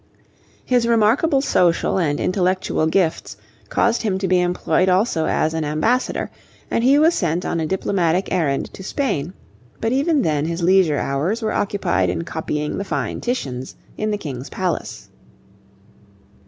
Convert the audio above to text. His remarkable social and intellectual gifts caused him to be employed also as an ambassador, and he was sent on a diplomatic errand to Spain; but even then his leisure hours were occupied in copying the fine Titians in the King's palace.